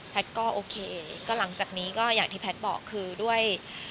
ก็โอเคก็หลังจากนี้ก็อย่างที่แพทย์บอกคือด้วย